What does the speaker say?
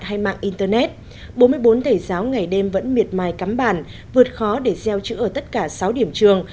hay mạng internet bốn mươi bốn thầy giáo ngày đêm vẫn miệt mài cắm bàn vượt khó để gieo chữ ở tất cả sáu điểm trường